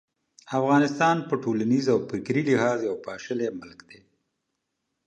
افغانستان په ټولنیز او فکري لحاظ یو پاشلی ملک دی.